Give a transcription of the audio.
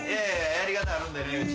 やり方あるんでねうち。